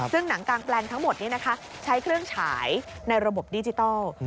ซึ่งหนังกางแปลงทั้งหมดใช้เครื่องฉายในระบบดิจิทัล